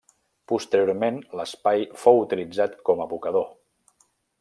Posteriorment l'espai fou utilitzat com abocador.